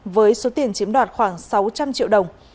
với số tiền chiếm đoạt khoảng sáu trăm linh triệu đồng